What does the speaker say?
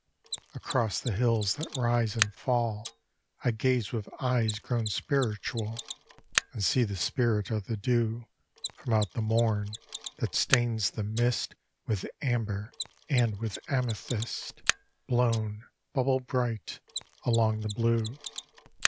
Across the hills, that rise and fall, I gaze with eyes grown spiritual, And see the Spirit of the Dew From out the morn, that stains the mist With amber and with amethyst, Blown, bubble bright, along the blue.